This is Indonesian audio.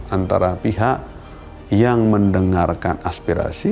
antara pihak yang mendengarkan aspirasi